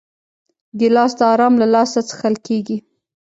ګیلاس د آرام له لاسه څښل کېږي.